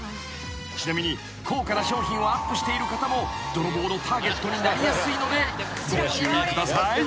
［ちなみに高価な商品をアップしている方も泥棒のターゲットになりやすいのでご注意ください］